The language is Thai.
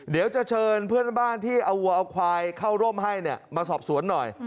เดี๋ยวจะเชิญเพื่อนบ้านที่เอาวัวเอาควายเข้าร่มให้มาสอบสวนหน่อย